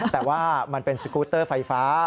แต่ว่ามันเป็นสกูตเตอร์ไฟฟ้า